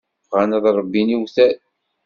Bɣan ad ṛebbin iwtal.